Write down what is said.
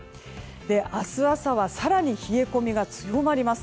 明日朝は更に冷え込みが強まります。